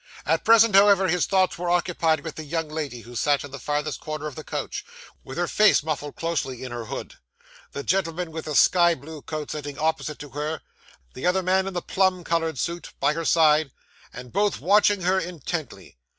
'At present, however, his thoughts were occupied with the young lady who sat in the farthest corner of the coach, with her face muffled closely in her hood; the gentleman with the sky blue coat sitting opposite to her; the other man in the plum coloured suit, by her side; and both watching her intently.